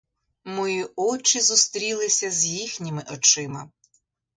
Мої очі зустрілися з їхніми очима.